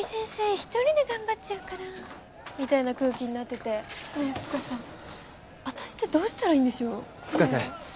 一人で頑張っちゃうからみたいな空気になってて深瀬さん私ってどうしたらいいんでしょう深瀬